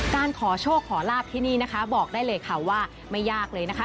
การขอโชคขอลาบที่นี่นะคะบอกได้เลยค่ะว่าไม่ยากเลยนะคะ